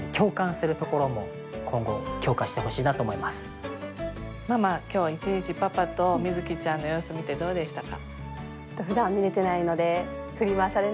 パパお優しいのでママ今日一日パパと瑞己ちゃんの様子見てどうでしたか？